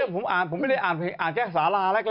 อ๋อผมอ่านจ้ะผมไม่ได้อ่านสาระแรก